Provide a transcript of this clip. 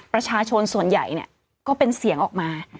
ประชาชนส่วนใหญ่ก็เป็นเสียงออกมา